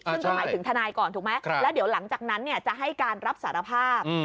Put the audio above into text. ซึ่งก็หมายถึงทนายก่อนถูกไหมแล้วเดี๋ยวหลังจากนั้นจะให้การรับสารภาพ